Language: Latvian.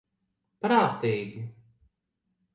Prātīgi.